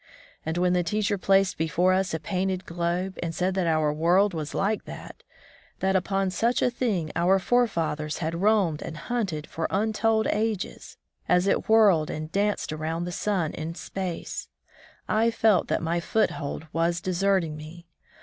And when the teacher placed before us a painted globe, and said that our world was like that — that upon such a thing om* forefathers had roamed and hunted for untold ages, as it whirled and danced around the sun in space — I felt that my foothold was deserting me.